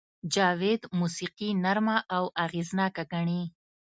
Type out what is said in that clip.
جاوید موسیقي نرمه او اغېزناکه ګڼي